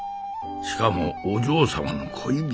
しかもお嬢様の恋人じゃ。